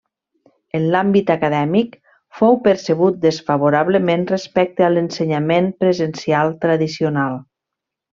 En l'àmbit acadèmic fou percebut desfavorablement respecte a l'ensenyament presencial tradicional.